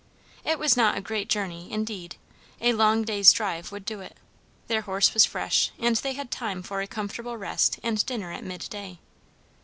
It was not a great journey, indeed; a long day's drive would do it; their horse was fresh, and they had time for a comfortable rest and dinner at mid day.